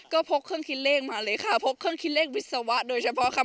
ก็พกเครื่องคิดเลขมาเลยค่ะพกเครื่องคิดเลขวิศวะโดยเฉพาะคำ